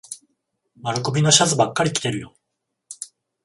丸首のシャツばっかり着てるよ。